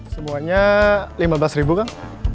semuanya rp lima belas kan